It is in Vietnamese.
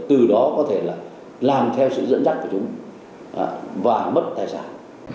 từ đó có thể là làm theo sự dẫn dắt của chúng và mất tài sản